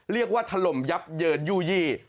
เรียกว่าถล่มยับเหยิดยู่ยี่